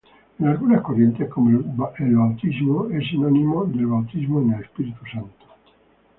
En algunas corrientes, como el bautismo, es sinónimo del bautismo en el Espíritu Santo.